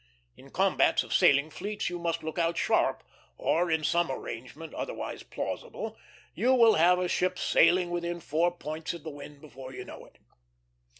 In combats of sailing fleets you must look out sharp, or in some arrangement, otherwise plausible, you will have a ship sailing within four points of the wind before you know it.